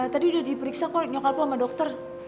tadi udah diperiksa kok nyokap lu sama dokter